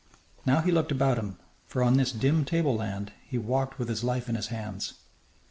Now he looked about him, for on this dim tableland he walked with his life in his hands.